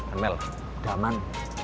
emel udah aman